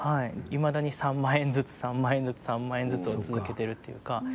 いまだに３万円ずつ３万円ずつ、３万円ずつを続けてるっていうか。